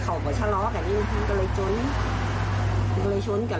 ก็เลยช้นกันแล้วก็เข้ามาหาย่าย่าย่าเจ้า